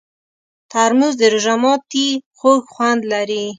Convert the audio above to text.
ترموز د روژه ماتي خوږ خوند لري.